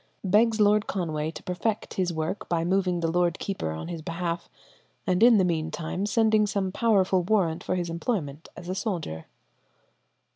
Begs Lord Conway to perfect his work by moving the lord keeper in his behalf, and in the mean time sending some powerful warrant for his employment as a soldier."